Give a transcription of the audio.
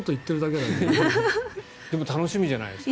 でも楽しみじゃないですか？